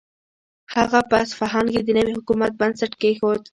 هغه په اصفهان کې د نوي حکومت بنسټ کېښود.